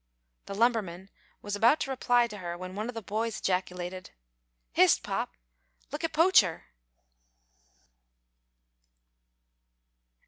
The lumberman was about to reply to her when one of the boys ejaculated, "Hist, pop, look at Poacher!"